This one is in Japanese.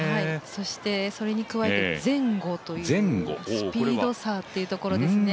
そして、それに加えて前後というスピード差というところですね。